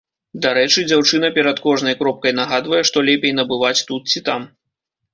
Дарэчы, дзяўчына перад кожнай кропкай нагадвае, што лепей набываць тут ці там.